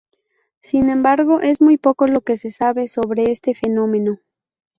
Sin embargo, es muy poco lo que se sabe sobre este fenómeno.